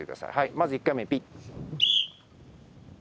まず１回目、ピッ。